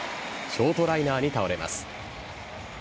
ショートライナーに倒れます。